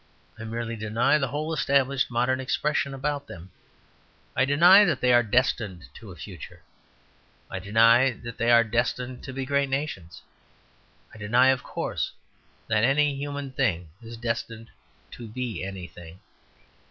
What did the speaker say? I merely deny the whole established modern expression about them. I deny that they are "destined" to a future. I deny that they are "destined" to be great nations. I deny (of course) that any human thing is destined to be anything.